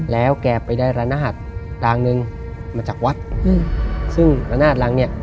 แล้วแกไปได้ระนาดลางนึงมาจากวัฒน์ซึ่งระนาดหลังเนี่ย